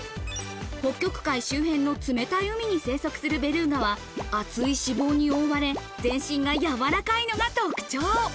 北極海周辺の冷たい海に生息するベルーガは、厚い脂肪に覆われ、全身がやわらかいのが特徴。